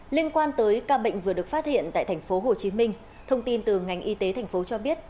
liên quan tới ca bệnh vừa được phát hiện tại thành phố hồ chí minh thông tin từ ngành y tế thành phố cho biết